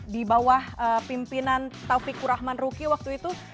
di bawah pimpinan taufik kurahman ruki waktu itu